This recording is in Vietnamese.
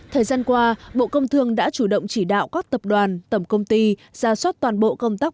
thời gian qua bộ công thương đã chủ động chỉ đạo các tập đoàn tổng công ty ra soát toàn bộ công tác